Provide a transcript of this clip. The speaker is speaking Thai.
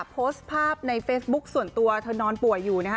โพสต์ภาพในเฟซบุ๊คส่วนตัวเธอนอนป่วยอยู่นะฮะ